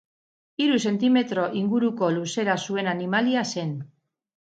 Hiru zentimetro inguruko luzera zuen animalia zen.